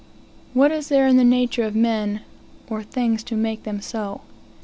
What is there in the nature of men or things to make them so?